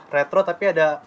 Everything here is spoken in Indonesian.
retro tapi ada